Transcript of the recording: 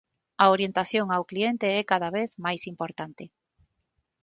A orientación ao cliente é cada vez máis importante.